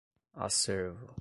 acervo